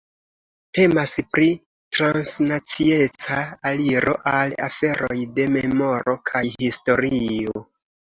Temas pri transnacieca aliro al aferoj de memoro kaj historio.